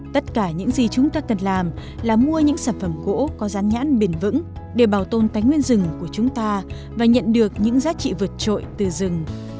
tất cả những gì chúng ta cần làm là mua những sản phẩm gỗ có rán nhãn bền vững để bảo tồn tánh nguyên rừng của chúng ta và nhận được những giá trị vượt trội từ rừng